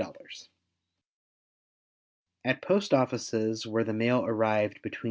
At post offices where the mail arrived between 9.